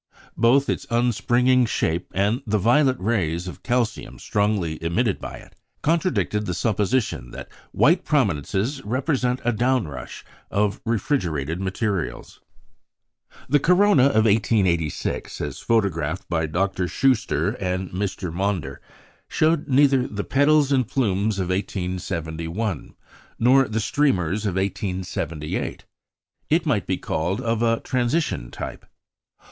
Both its unspringing shape, and the violet rays of calcium strongly emitted by it, contradicted the supposition that "white prominences" represent a downrush of refrigerated materials. The corona of 1886, as photographed by Dr. Schuster and Mr. Maunder, showed neither the petals and plumes of 1871, nor the streamers of 1878. It might be called of a transition type.